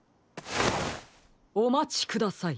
おまちください。